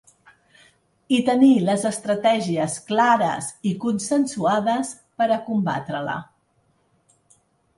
I tenir les estratègies clares i consensuades per a combatre-la.